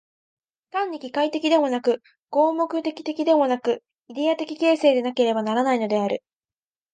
単に機械的でもなく、合目的的でもなく、イデヤ的形成でなければならないのである。